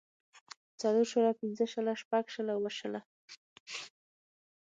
څلور شله پنځۀ شله شټږ شله اووه شله